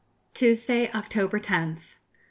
Tuesday, October 10th.